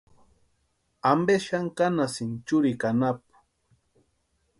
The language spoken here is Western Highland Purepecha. ¿Ampe xani kánhasïni churikwa anapu?